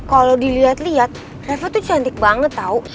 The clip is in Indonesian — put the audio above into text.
kalo diliat liat reva tuh cantik banget tau